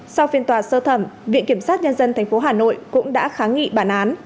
sau phiên tòa sơ thẩm viện kiểm sát nhân dân tp hà nội cũng đã kháng nghị bản án